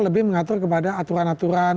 lebih mengatur kepada aturan aturan